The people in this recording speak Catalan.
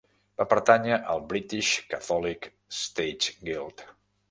Va pertànyer al British Catholic Stage Guild.